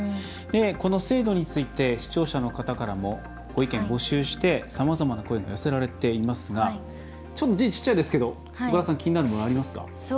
この制度について視聴者の方からもご意見、募集してさまざまな声が寄せられていますがちょっと字、小さいですけど岡田さん気になるものありますか。